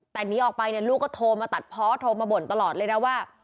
แต่หนีออกไปเนี่ยลูกก็โทรมาตัดเพาะโทรมาบ่นตลอดเลยนะว่า